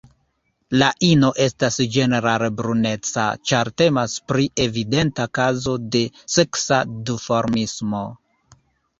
La ino estas ĝenerale bruneca, ĉar temas pri evidenta kazo de seksa duformismo.